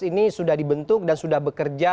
ini sudah dibentuk dan sudah bekerja